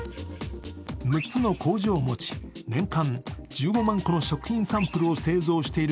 ６つの工場を持ち、年間１５万個の食品サンプルを製造している